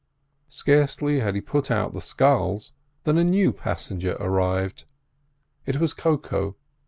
Scarcely had he put out the sculls than a new passenger arrived. It was Koko.